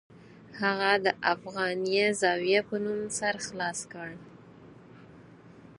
هغه د افغانیه زاویه په نوم سر خلاص کړ.